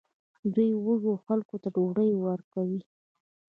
دوی وږو خلکو ته ډوډۍ ورکوي.